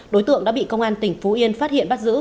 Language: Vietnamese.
đối tượng đã bị công an tỉnh phú yên phát hiện bắt giữ